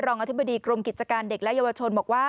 อธิบดีกรมกิจการเด็กและเยาวชนบอกว่า